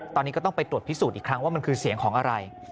ตอนนี้ก็ต้องไปตรวจพิสูจน์อีกครั้งว่ามันคือเสียงของอะไร